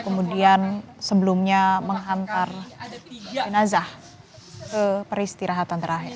kemudian sebelumnya menghantar jenazah ke peristirahatan terakhir